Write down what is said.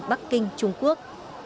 bắc kinh trung quốc